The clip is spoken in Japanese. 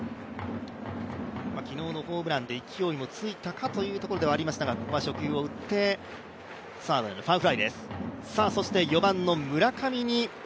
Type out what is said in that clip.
昨日のホームランで勢いもついたかというところではありましたがここは初球を打ってファウルフライです。